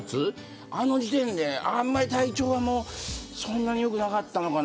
あの時点で、あんまり体調もそんなに良くなかったのかな。